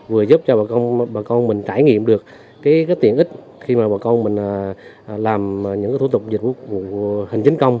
vừa giúp cho bà con mình trải nghiệm được cái tiện ích khi mà bà con mình làm những thủ tục dịch vụ hành chính công